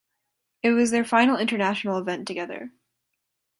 It was their final international event together.